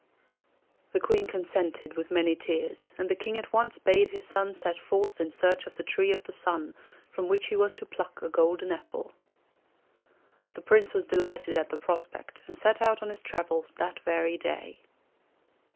The Queen consented with many tears, and the King at once bade his son set forth in search of the Tree of the Sun, from which he was to pluck a golden apple. The Prince was delighted at the prospect, and set out on his travels that very day.